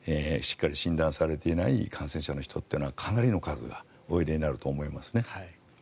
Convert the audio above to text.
しっかり診断されていない感染者の人っていうのはかなりの数がおいでになると思いますね。